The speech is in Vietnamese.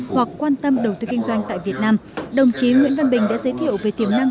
hoặc quan tâm đầu tư kinh doanh tại việt nam đồng chí nguyễn văn bình đã giới thiệu về tiềm năng